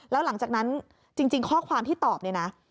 แล้วหลังจากนั้นจริงข้อความที่ตอบเนี่ยนะ